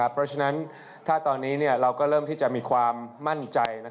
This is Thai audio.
เพราะฉะนั้นถ้าตอนนี้เราก็เริ่มที่จะมีความมั่นใจ